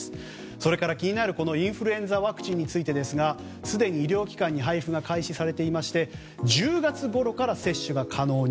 それから気になるインフルエンザワクチンについてですがすでに医療機関に配布が開始されていまして１０月ごろから接種が可能に。